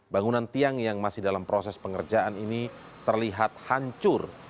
bangunan tiang yang masih dalam proses pengerjaan ini terlihat hancur